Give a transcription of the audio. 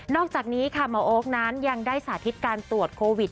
อกจากนี้ค่ะหมอโอ๊คนั้นยังได้สาธิตการตรวจโควิด